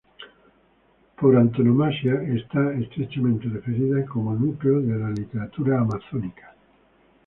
Por antonomasia, está estrechamente referida como núcleo de la literatura amazónica.